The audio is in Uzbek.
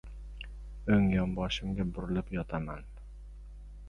O‘ng yonboshimga burilib yotaman.